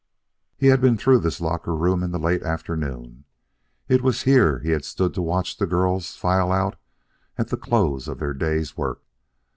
He had been through this locker room in the late afternoon. It was here he had stood to watch the girls file out at the close of their day's work.